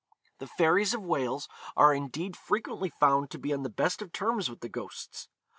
The fairies of Wales are indeed frequently found to be on the best of terms with the ghosts.